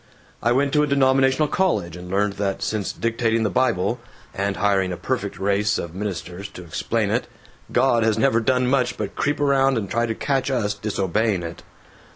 "I went to a denominational college and learned that since dictating the Bible, and hiring a perfect race of ministers to explain it, God has never done much but creep around and try to catch us disobeying it.